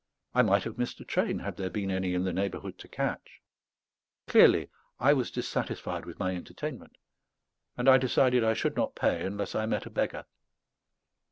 I might have missed a train, had there been any in the neighbourhood to catch. Clearly, I was dissatisfied with my entertainment; and I decided I should not pay unless I met a beggar.